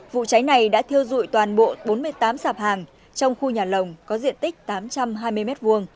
vụ cháy này đã thiêu dụi toàn bộ bốn mươi tám sạp hàng trong khu nhà lồng có diện tích tám trăm hai mươi m hai